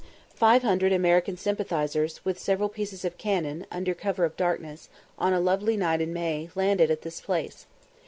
Five hundred American sympathisers, with several pieces of cannon, under cover of darkness, on a lovely night in May, landed at this place.